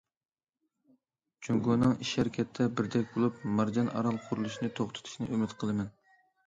جۇڭگونىڭ ئىش ھەرىكەتتە بىردەك بولۇپ، مارجان ئارال قۇرۇلۇشىنى توختىتىشىنى ئۈمىد قىلىمەن.